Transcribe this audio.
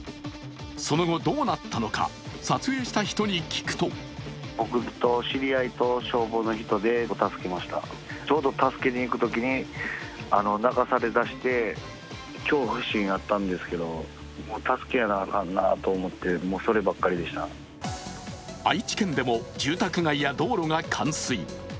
その後、どうなったのか、撮影した人に聞くと愛知県でも住宅街や道路が冠水。